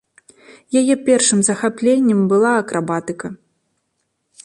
Яе першым захапленнем была акрабатыка.